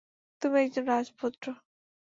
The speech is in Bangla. তুমি একজন রাজপুত্র।